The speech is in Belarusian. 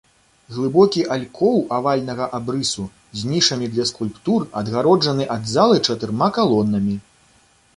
Глыбокі алькоў авальнага абрысу з нішамі для скульптур адгароджаны ад залы чатырма калонамі.